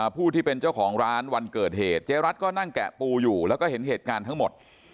ผู้ที่เป็นเจ้าของร้านวันเกิดเหตุเจ๊รัฐก็นั่งแกะปูอยู่แล้วก็เห็นเหตุการณ์ทั้งหมด